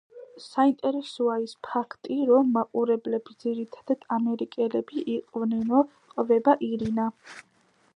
საინტერესოა ის ფაქტი, რომ მაყურებლები ძირითადად ამერიკელები იყვნენო, ყვება ირინა.